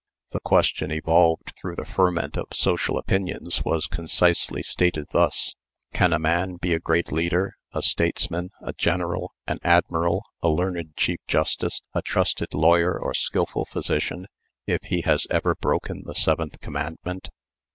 The question evolved through the ferment of social opinions was concisely stated, thus: "Can a man be a great leader, a statesman, a general, an admiral, a learned chief justice, a trusted lawyer, or skillful physician, if he has ever broken the Seventh Commandment?"